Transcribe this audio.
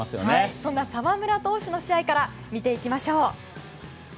そんな澤村投手の試合から見ていきましょう。